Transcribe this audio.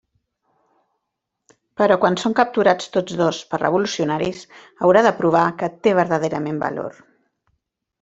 Però quan són capturats tots dos per revolucionaris, haurà de provar que té verdaderament valor.